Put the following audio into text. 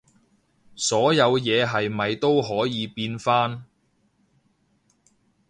所有嘢係咪都可以變返